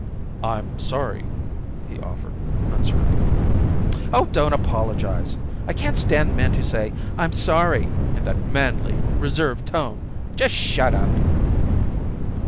"I'm sorry," he offered uncertainly. "Oh, don't apologize! I can't stand men who say 'I'm sorry' in that manly, reserved tone. Just shut up!"